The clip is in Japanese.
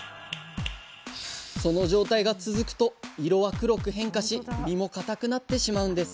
その状態が続くと色は黒く変化し身もかたくなってしまうんです。